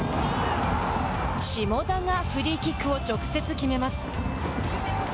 下田がフリーキックを直接決めます。